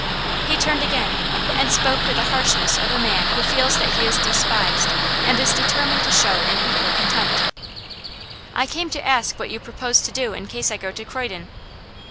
He turned again, and spoke with the harshness of a man who feels that he is despised, and is determined to show an equal contempt. 'I came to ask you what you propose to do in case I go to Croydon.